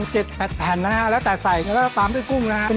แก่ประมาณ๗๘หันนะฮะแล้วแต่ใส่แล้วก็ตามด้วยกุ้งนะฮะ